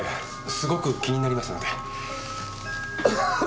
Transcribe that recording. すごく気になりますので。